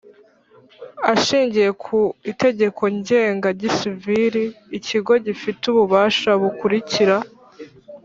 Ashingiye ku Itegeko Ngenga gisivili Ikigo gifite ububasha bukurikira